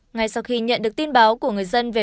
ngay sau khi nhận được tin báo của người dân về